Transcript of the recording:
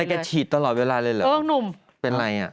อะไรแกฉีดตลอดเวลาเลยเหรอเป็นอะไรอ่ะ